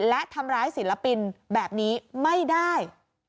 และทำร้ายศิลปินแบบนี้ไม่ได้